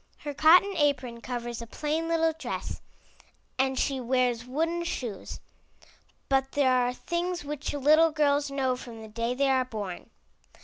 Her cotton apron covers a plain little dress, and she wears wooden shoes. But there are things which little girls know from the day they are born.